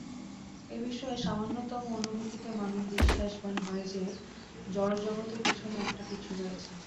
এ বিষয়ের সামান্যতম অনুভূতিতে মানুষ বিশ্বাসবান হয় যে, জড়-জগতের পিছনে একটা কিছু রয়েছে।